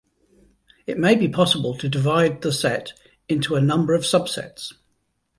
It may be possible to divide the set into a number of subsets.